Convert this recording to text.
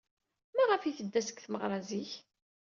Maɣef ay tedda seg tmeɣra zik?